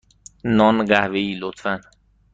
نان قهوه ای، لطفا.